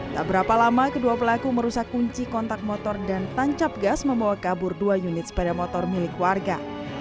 tak berapa lama kedua pelaku merusak kunci kontak motor dan tancap gas membawa kabur dua unit sepeda motor milik warga